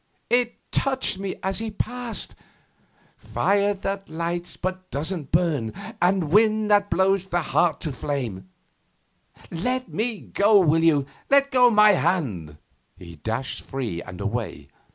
'It touched me as he passed fire that lights but doesn't burn, and wind that blows the heart to flame let me go, will you? Let go my hand.' He dashed free and away.